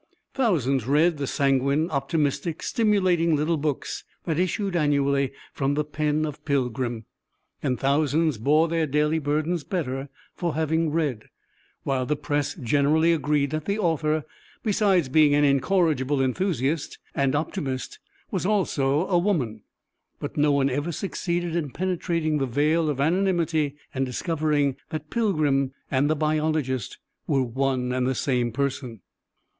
Thousands read the sanguine, optimistic, stimulating little books that issued annually from the pen of "Pilgrim," and thousands bore their daily burdens better for having read; while the Press generally agreed that the author, besides being an incorrigible enthusiast and optimist, was also a woman; but no one ever succeeded in penetrating the veil of anonymity and discovering that "Pilgrim" and the biologist were one and the same person.